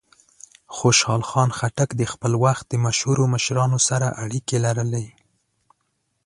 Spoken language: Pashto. خوشحال خان خټک د خپل وخت د مشهورو مشرانو سره اړیکې لرلې.